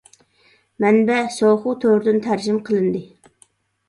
مەنبە : سوخۇ تورىدىن تەرجىمە قىلىندى.